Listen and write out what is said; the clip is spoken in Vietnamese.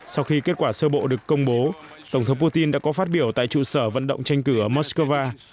sau khi kết quả sơ bộ được công bố tổng thống putin đã có phát biểu tại trụ sở vận động tranh cử ở moscow